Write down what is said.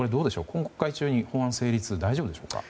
今国会中の法案成立は大丈夫でしょうか？